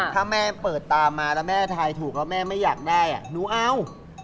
ถ้าแม่เปิดตามมาแล้วแม่ทายถูกแล้วแม่ไม่อยากได้หนูเอา